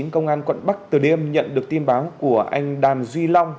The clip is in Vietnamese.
công an quận bắc từ điêm nhận được tin báo của anh đàm duy long